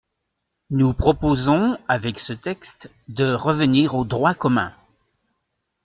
Nous proposons, avec ce texte, de revenir au droit commun.